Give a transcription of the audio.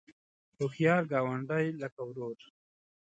هوښیار ګاونډی لکه ورور